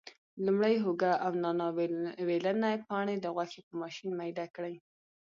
لومړی هوګه او نانا ویلني پاڼې د غوښې په ماشین میده کړي.